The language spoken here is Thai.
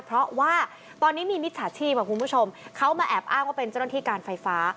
เพราะว่าตอนนี้มีมิจฉาชีพคุณผู้ชมเขามาแอบอ้างว่าเป็นเจ้าหน้าที่การไฟฟ้า